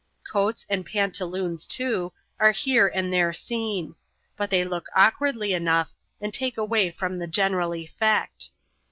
Coats and pantaloons, too, are here and there seen ; but they look awkwardly enough, and take away from the general effect.